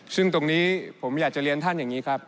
ซึ่งตรงนี้ผมอยากจะเรียนท่านอย่างนี้ครับ